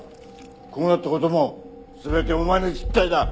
こうなった事も全てお前の失態だ！